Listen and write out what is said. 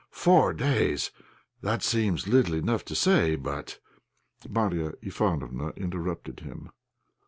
Four days! That seems little enough to say, but " Marya Ivánofna interrupted him.